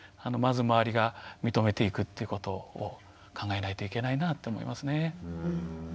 まず周りが認めていくっていうことを考えないといけないなと思いますね。